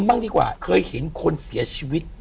บ้างดีกว่าเคยเห็นคนเสียชีวิต